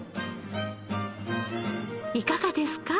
いかがですか？